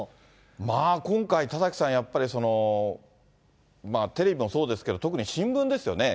まあ今回、田崎さん、やっぱり、テレビもそうですけど、特に新聞ですよね。